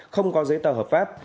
không có giấy tờ hợp pháp